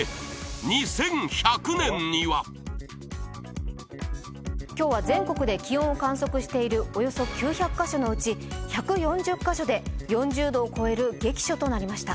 ２１００年には今日は全国で気温を観測しているおよそ９００カ所のうち１４０カ所で４０℃を超える激暑となりました